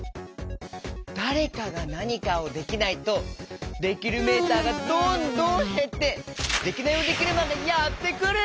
だれかがなにかをできないとできるメーターがどんどんへってデキナイヲデキルマンがやってくる！